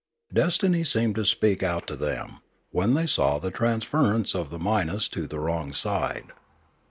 Destiny seemed to speak out to them, when they saw the transference of the minus to the wrong side.